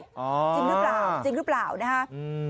จริงหรือเปล่าจริงหรือเปล่านะฮะอืม